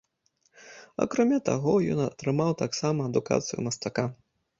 Акрамя таго, ён атрымаў таксама адукацыю мастака.